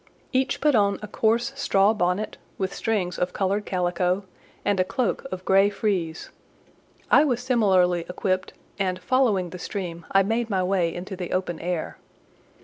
Each put on a coarse straw bonnet, with strings of coloured calico, and a cloak of grey frieze. I was similarly equipped, and, following the stream, I made my way into the open air.